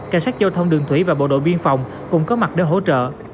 cảnh sát giao thông đường thủy và bộ đội biên phòng cùng có mặt để hỗ trợ